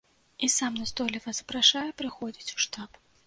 І сам настойліва запрашае прыходзіць у штаб.